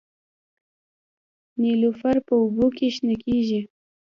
نیلوفر په اوبو کې شنه کیږي